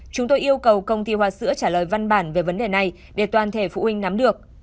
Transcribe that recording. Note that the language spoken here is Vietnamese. chúng tôi yêu cầu công ty hoa sữa trả lời văn bản về vấn đề này để toàn thể phụ huynh nắm được